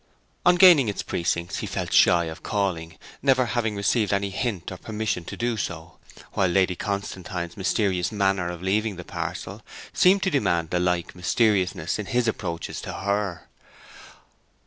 On gaining its precincts he felt shy of calling, never having received any hint or permission to do so; while Lady Constantine's mysterious manner of leaving the parcel seemed to demand a like mysteriousness in his approaches to her.